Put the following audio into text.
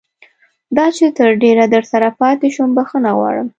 دا چې تر ډېره درسره پاتې شوم بښنه غواړم.